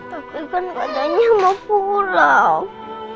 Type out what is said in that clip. tapi kan keadaannya mau pulang